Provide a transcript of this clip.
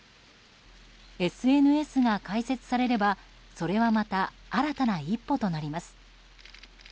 ＳＮＳが開設されればそれはまた新たな一歩となります。